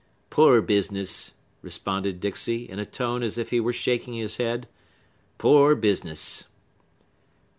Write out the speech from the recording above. "Poor business!" responded Dixey, in a tone as if he were shaking his head,—"poor business."